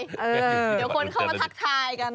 เดี๋ยวคนเข้ามาทักทายกัน